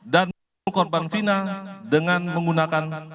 dan korban vina dengan menggunakan